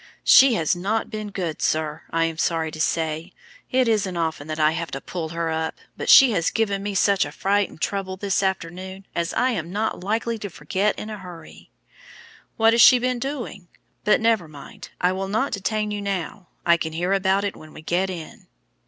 "She has not been good, sir, I am sorry to say. It isn't often that I have to pull her up, but she has given me such a fright and trouble this afternoon as I am not likely to forget in a hurry." "What has she been doing? But never mind; I will not detain you now. I can hear about it when we get in."